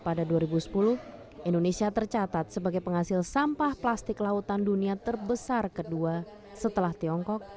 pada dua ribu sepuluh indonesia tercatat sebagai penghasil sampah plastik lautan dunia terbesar kedua setelah tiongkok